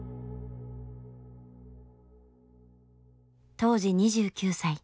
当時２９歳。